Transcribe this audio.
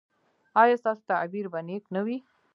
ایا ستاسو تعبیر به نیک نه وي؟